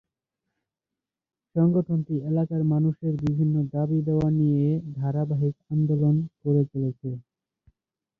সংগঠনটি এলাকার মানুষদের বিভিন্ন দাবী দাওয়া নিয়ে ধারাবাহিক আন্দোলন করে চলেছে।